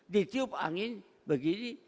ditiup angin begini